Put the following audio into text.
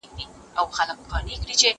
زه به سبا کتابونه لولم وم